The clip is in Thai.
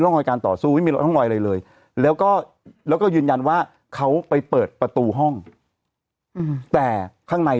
รอยการต่อสู้ไม่มีร่องรอยอะไรเลยแล้วก็ยืนยันว่าเขาไปเปิดประตูห้องแต่ข้างใน